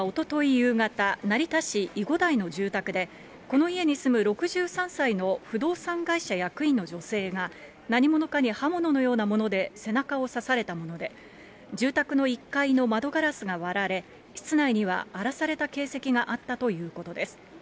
夕方、成田市囲護台の住宅で、この家に住む６３歳の不動産会社役員の女性が、何者かに刃物のようなもので背中を刺されたもので、住宅の１階の窓ガラスが割られ、室内には荒らされた形跡があったということです。